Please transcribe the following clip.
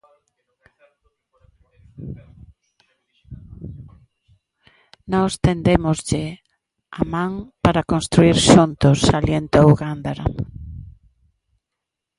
Nós tendémoslle a man para construír xuntos, salientou Gándara.